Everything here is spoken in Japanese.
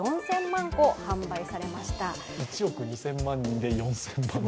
１億２０００万人で４０００万個。